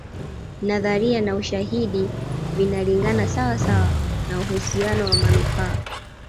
Nadharia na ushahidi vinalingana sawa sawa na uhusiano wa manufaa